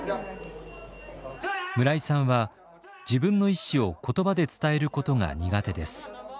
村井さんは自分の意思を言葉で伝えることが苦手です。